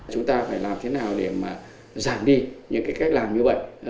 chúng ta phải làm thế nào để giảm đi những cách làm như vậy